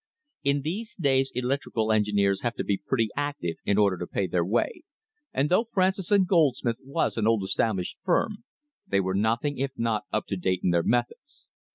In these days electrical engineers have to be pretty active in order to pay their way, and though Francis and Goldsmith was an old established firm, they were nothing if not up to date in their methods.